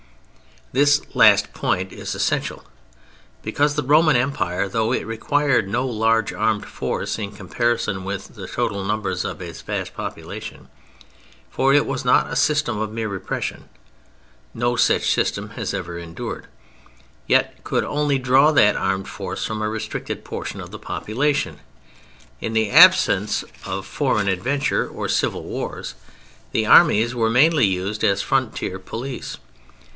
This last point is essential; because the Roman Empire, though it required no large armed force in comparison with the total numbers of its vast population (for it was not a system of mere repression—no such system has ever endured), yet could only draw that armed force from a restricted portion of the population. In the absence of foreign adventure or Civil Wars, the armies were mainly used as frontier police.